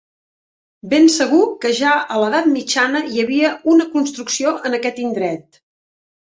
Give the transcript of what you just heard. Ben segur que ja a l'edat mitjana hi havia una construcció en aquest indret.